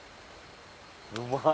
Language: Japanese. うまい。